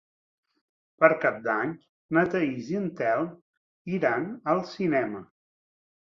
Per Cap d'Any na Thaís i en Telm iran al cinema.